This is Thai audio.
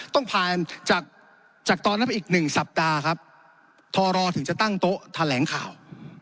ต้องผ่านจากตอนนั้นไปอีก๑สัปดาห์ครับทรถึงจะตั้งโต๊ะแถลงข่าว